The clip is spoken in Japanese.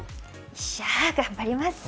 っしゃ、頑張ります。